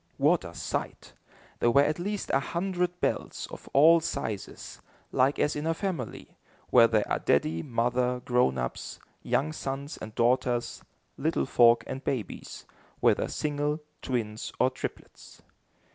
What a sight! There were at least a hundred bells, of all sizes, like as in a family; where there are daddy, mother, grown ups, young sons and daughters, little folk and babies, whether single, twins or triplets.